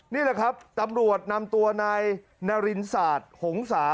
นี่แหละครับตำรวจนำตัวนายนารินศาสตร์หงษา